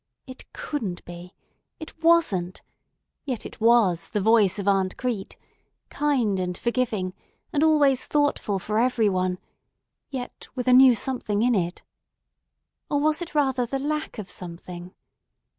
It couldn't be, it wasn't, yet it was, the voice of Aunt Crete, kind and forgiving, and always thoughtful for every one, yet with a new something in it. Or was it rather the lack of something?